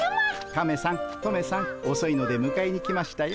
カメさんトメさんおそいのでむかえに来ましたよ。